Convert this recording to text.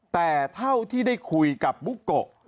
แต่เท่าที่ได้คุยกับบุ๊กโกะ